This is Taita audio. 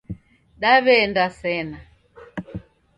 Daw'eenda sena?